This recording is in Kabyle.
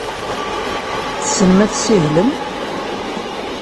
Tessnem ad tessihlem?